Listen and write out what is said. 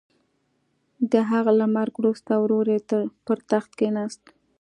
د هغه له مرګ وروسته ورور یې پر تخت کېناست.